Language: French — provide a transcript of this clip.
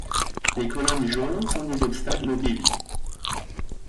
Les colonnes jaunes sont des obstacles mobiles.